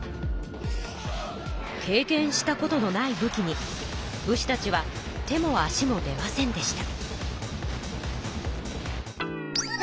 経験したことのない武器に武士たちは手も足も出ませんでした。